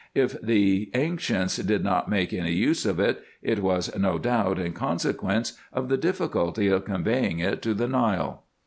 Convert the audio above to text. If the ancients did not make any use of it, it was no doubt in consequence of the difficulty of conveying it to the Nile.